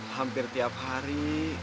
hampir tiap hari